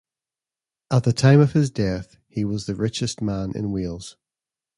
At the time of his death, he was the richest man in Wales.